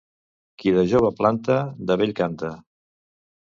Qui de jove planta, de vell canta.